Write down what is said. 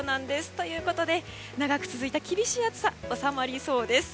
ということで長く続いた厳しい暑さ収まりそうです。